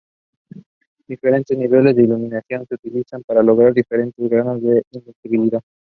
Diferentes niveles de iluminación se utilizan para lograr diferentes grados de "invisibilidad".